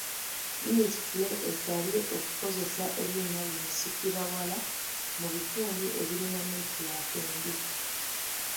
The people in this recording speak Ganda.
Minisitule esabye okukozesa ebyuma bimusikirawala mu bitundu ebirina neetiwaaka embi.